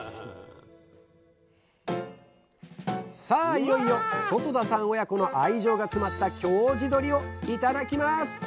いよいよ外田さん親子の愛情が詰まった京地どりを頂きます！